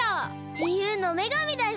自由の女神だよ！